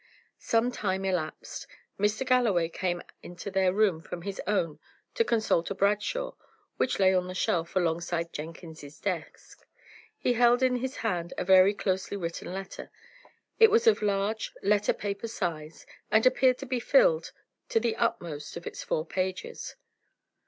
Some time elapsed. Mr. Galloway came into their room from his own to consult a "Bradshaw," which lay on the shelf, alongside Jenkins's desk. He held in his hand a very closely written letter. It was of large, letter paper size, and appeared to be filled to the utmost of its four pages.